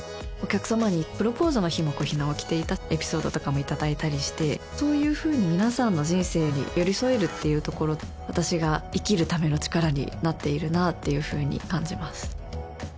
お客様にプロポーズの日もＣＯＨＩＮＡを着ていたエピソードとかもいただいたりしてそういうふうに皆さんの人生に寄り添えるっていうところ私が生きるための力になっているなっていうふうに感じます